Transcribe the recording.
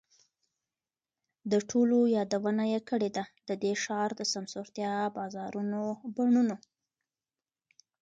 د ټولو یادونه یې کړې ده، د دې ښار د سمسورتیا، بازارونو، بڼونو،